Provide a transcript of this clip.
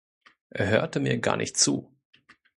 Er hörte mir gar nicht zu.